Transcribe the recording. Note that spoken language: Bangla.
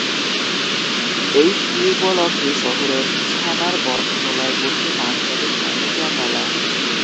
এই কি উপলক্ষে শহরের ছানার বটতলায় বসে মাসব্যাপী ফার্নিচার মেলা?